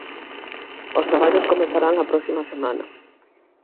Os traballos comezarán a próxima semana.